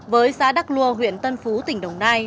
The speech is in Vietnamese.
với xã đắk lua huyện tân phú tỉnh đồng nai